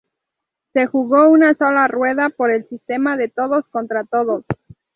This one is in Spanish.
Se jugó una sola rueda por el sistema de todos contra todos.